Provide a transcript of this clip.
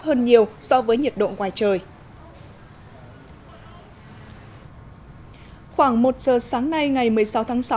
hơn nhiều so với nhiệt độ ngoài trời khoảng một giờ sáng nay ngày một mươi sáu tháng sáu